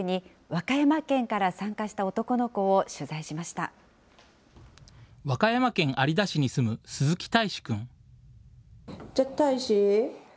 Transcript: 和歌山県有田市に住む鈴木替詞君。